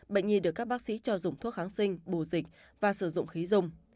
bệnh nhi được các bác sĩ cho dùng thuốc kháng sinh bù dịch và sử dụng khí dung